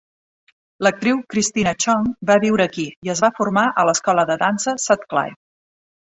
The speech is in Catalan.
L"actriu Christina Chong va viure aquí, i es va formar a l"escola de dansa Sutcliffe.